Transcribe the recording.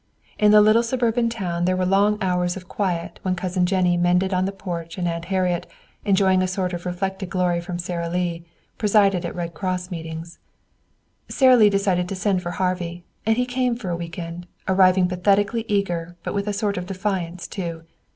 In the little suburban town there were long hours of quiet when Cousin Jennie mended on the porch and Aunt Harriet, enjoying a sort of reflected glory from Sara Lee, presided at Red Cross meetings. Sara Lee decided to send for Harvey, and he came for a week end, arriving pathetically eager, but with a sort of defiance too.